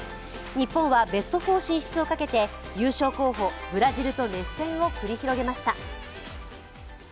日本はベスト４進出をかけて優勝候補、ブラジルと熱戦を繰り広げました。